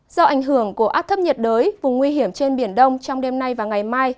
do ảnh hưởng của áp thấp nhiệt đới vùng nguy hiểm trên biển đông trong đêm nay và ngày mai